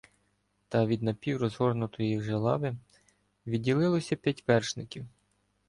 Та від напів- розгорнутої вже лави відділилося п'ять вершників.